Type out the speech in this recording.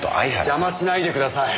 邪魔しないでください。